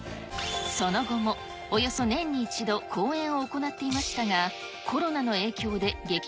その後もおよそ年に一度公演を行っていましたが。